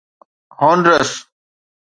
Honduras